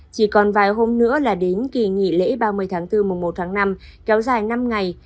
chỉ còn vài hôm nữa là đến kỳ nghỉ lễ ba mươi tháng bốn mùa một tháng năm kéo dài năm ngày